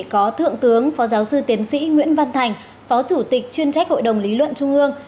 có thượng tướng phó giáo sư tiến sĩ nguyễn văn thành phó chủ tịch chuyên trách hội đồng lý luận trung ương